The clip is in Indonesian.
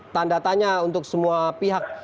tanda tanya untuk semua pihak